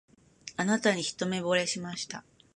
あなたに一目ぼれしました